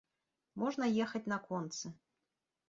Можна ехаць на концы.